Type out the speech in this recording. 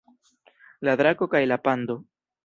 La drako kaj la pando